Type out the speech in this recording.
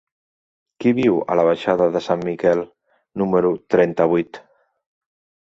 Qui viu a la baixada de Sant Miquel número trenta-vuit?